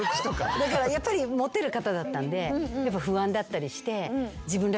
だからやっぱりモテる方だったんで不安だったりして。